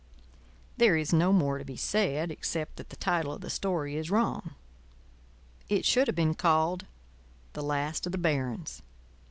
There is no more to be said, except that the title of the story is wrong. It should have been called "The Last of the Barons."